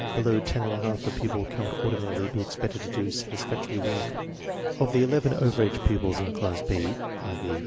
Below 10J a pupil cannot ordinarily be expected to do satisfactory work. Of the eleven over age pupils in Class B (i.e.